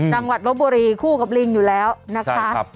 จังหวัดลบบุรีคู่กับลิงอยู่แล้วนะคะ